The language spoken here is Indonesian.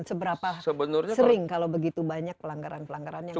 seberapa sering kalau begitu banyak pelanggaran pelanggaran yang